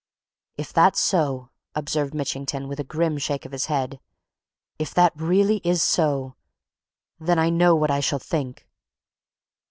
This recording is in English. "If that's so," observed Mitchington, with a grim shake of his head, "if that really is so, then I know what I shall think!